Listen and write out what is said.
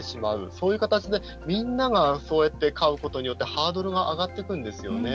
そういう形でみんながそうやって買うことによってハードルが上がってくんですよね。